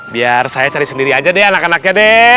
biar saya cari sendiri aja deh anak anaknya deh